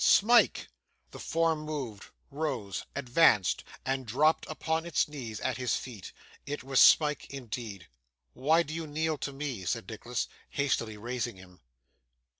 Smike!' The form moved, rose, advanced, and dropped upon its knees at his feet. It was Smike indeed. 'Why do you kneel to me?' said Nicholas, hastily raising him.